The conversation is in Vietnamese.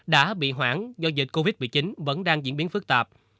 đã bị hoãn do dịch covid một mươi chín vẫn đang diễn biến phức tạp